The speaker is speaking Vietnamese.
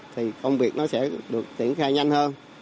thì công việc nó sẽ được triển khai nhanh hơn